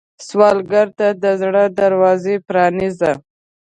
سوالګر ته د زړه دروازه پرانیزه